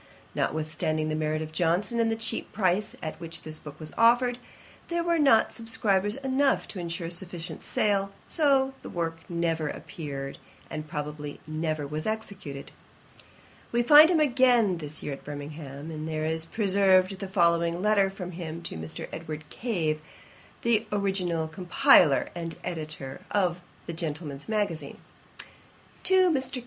Notwithstanding the merit of Johnson, and the cheap price at which this book was offered, there were not subscribers enough to insure a sufficient sale; so the work never appeared, and probably, never was executed. [Page 91: First letter to Edward Cave. Ætat 25.] We find him again this year at Birmingham, and there is preserved the following letter from him to Mr. Edward Cave, the original compiler and editor of the Gentleman's Magazine: TO MR.